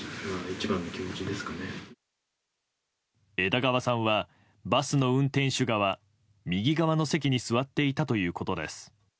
枝川さんはバスの運転手側右側の席に座っていたということです。